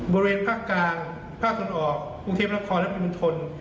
บริเวณภาคกลางภาคธนออกคุกเทพละครและบินทน